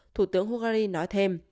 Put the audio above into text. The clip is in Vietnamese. thủ tướng hungary nói thêm